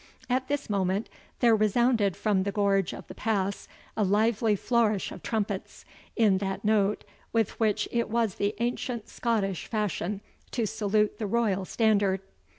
At this moment there resounded from the gorge of the pass a lively flourish of trumpets, in that note with which it was the ancient Scottish fashion to salute the royal standard.